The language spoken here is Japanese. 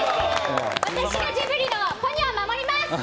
私がジブリのポニョを守ります。